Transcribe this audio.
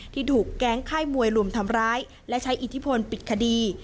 ที่ถูกแก๊งค่ายมวยลุมทำร้ายและใช้อิทธิพลปิดคดี